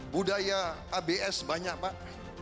budaya abs banyak pak